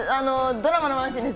ドラマのワンシーンです。